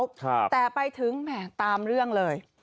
ครับแต่ไปถึงแหม่ตามเรื่องเลย